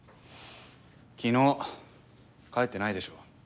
昨日帰ってないでしょ。